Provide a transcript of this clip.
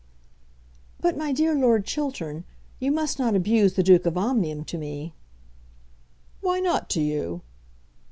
"But, my dear Lord Chiltern, you must not abuse the Duke of Omnium to me." "Why not to you?"